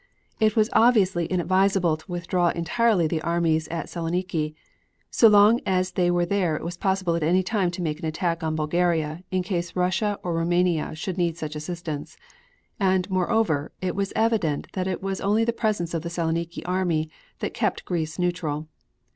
It was obviously inadvisable to withdraw entirely the armies at Saloniki. So long as they were there it was possible at any time to make an attack on Bulgaria in case Russia or Roumania should need such assistance. And moreover, it was evident that it was only the presence of the Saloniki army that kept Greece neutral.